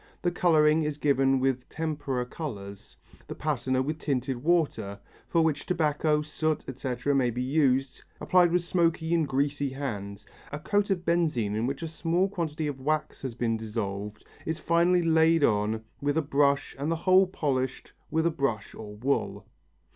The colouring is given with tempera colours, the patina with tinted water, for which tobacco, soot, etc., may be used, applied with smoky and greasy hands. A coat of benzine in which a small quantity of wax has been dissolved is finally laid on with a brush and the whole polished with a brush or wool.